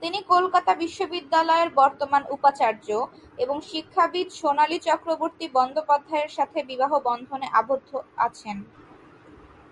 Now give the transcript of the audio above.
তিনি কলকাতা বিশ্ববিদ্যালয়ের বর্তমান উপাচার্য এবং শিক্ষাবিদ সোনালী চক্রবর্তী বন্দ্যোপাধ্যায়ের সাথে বিবাহ বন্ধনে আবদ্ধ আছেন।